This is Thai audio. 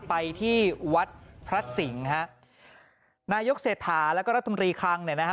ไปที่วัดพระสิงห์ฮะนายกเศรษฐาแล้วก็รัฐมนตรีคลังเนี่ยนะฮะ